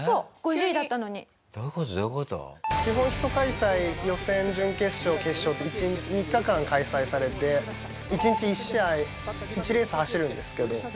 基本ひと開催予選準決勝決勝と３日間開催されて１日１試合１レース走るんですけど。